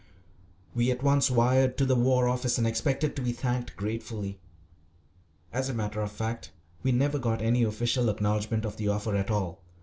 We at once wired to the War Office and expected to be thanked gratefully. As a matter of fact we never got any official acknowledgment of the offer at all.